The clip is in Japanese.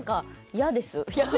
「嫌です」